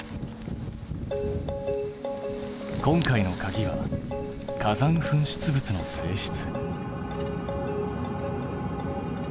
今回のかぎは火山噴出物の性質。